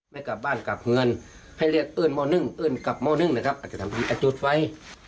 ได้ไม่นานไม่งานของเออนมูย